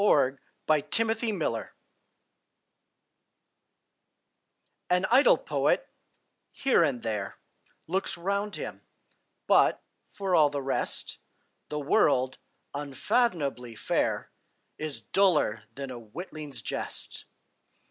Coventry Patmore The Revelation AN idle poet, here and there, Looks round him, but, for all the rest, The world, unfathomably fair, Is duller than a witling's jest.